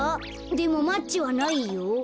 でもマッチはないよ。